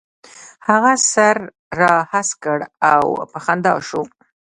هغه سر را هسک کړ او په خندا شو.